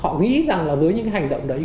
họ nghĩ rằng là với những hành động đấy